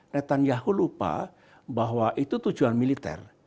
netanyahu lupa bahwa itu tujuan militer